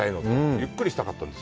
ゆっくりしたかったんです。